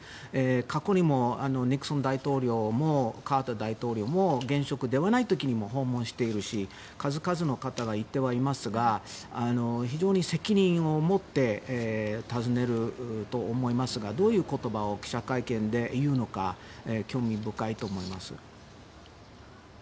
過去にもニクソン大統領もカーター大統領も現職ではない時に訪問しているし数々の方が行ってはいますが非常に責任を持って訪ねると思いますがどういう言葉を記者会見で言うのか興味深いと思います。